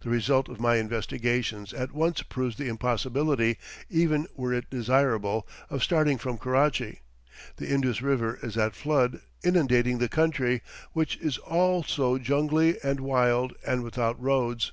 The result of my investigations at once proves the impossibility, even were it desirable, of starting from Karachi. The Indus River is at flood, inundating the country, which is also jungly and wild and without roads.